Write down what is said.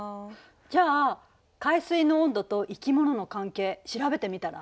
じゃあ海水の温度と生き物の関係調べてみたら？